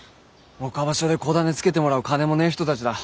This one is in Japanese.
岡場所で子種付けてもらう金もねえ人たちだ。